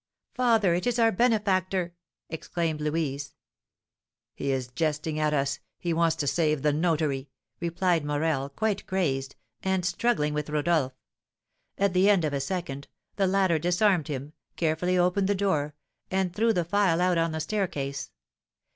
"Father, it is our benefactor!" exclaimed Louise. "He is jesting at us; he wants to save the notary," replied Morel, quite crazed, and struggling with Rodolph. At the end of a second, the latter disarmed him, carefully opened the door, and threw the file out on the staircase.